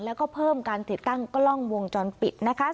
แล้วก็เพิ่มการติดตั้งกล้องวงจรปิดนะคะ